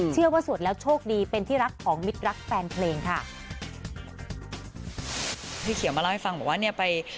เชื่อว่าสวดแล้วโชคดีเป็นที่รักของมิตรรักแฟนเพลงค่ะ